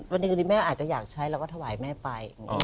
วันดีแม่อาจจะอยากใช้เราก็ถวายแม่ไป